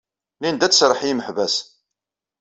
Linda ad d-tserreḥ i yimeḥbas.